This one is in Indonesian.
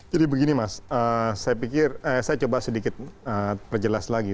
jadi begini mas saya pikir saya coba sedikit perjelas lagi